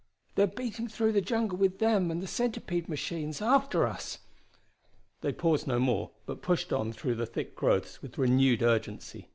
"They're beating through the jungle with them and the centipede machines after us!" They paused no more, but pushed on through the thick growths with renewed urgency.